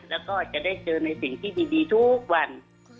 แล้วก็จะได้เจอในสิ่งที่ดีทุกวัน